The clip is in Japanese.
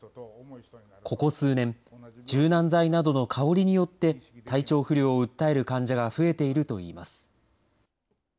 ここ数年、柔軟剤などの香りによって、体調不良を訴える患者が増えているといいます。